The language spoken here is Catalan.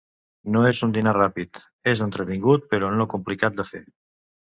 No és un dinar ràpid, és entretingut però no complicat de fer.